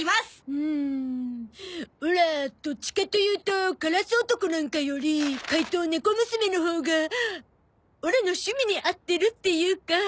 うんオラどっちかというとカラス男なんかより怪盗ネコ娘のほうがオラの趣味に合ってるっていうか。